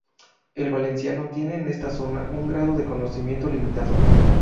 El valenciano tiene en esta zona un grado de conocimiento limitado.